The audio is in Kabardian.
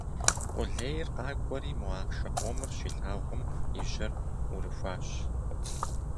Къулейр къакӀуэри мо ахъшэ къомыр щилъагъум и жьэр Ӏурыхуащ.